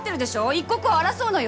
一刻を争うのよ？